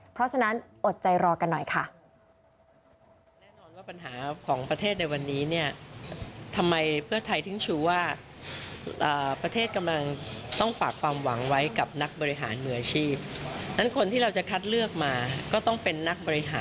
เพราะฉะนั้นอดใจรอกันหน่อยค่ะ